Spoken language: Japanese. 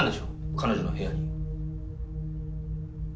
彼女の部屋に。